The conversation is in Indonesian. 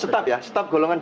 staf ya staf golongan dua d